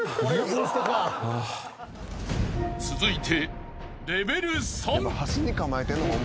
［続いて］